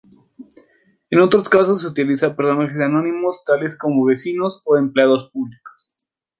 En otros casos se utiliza personajes anónimos tales como vecinos o empleados públicos.